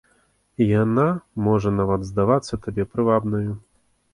І яна можа нават здавацца табе прывабнаю.